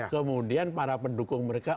kemudian para pendukung mereka